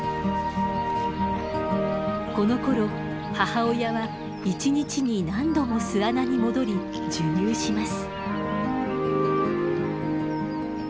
このころ母親は一日に何度も巣穴に戻り授乳します。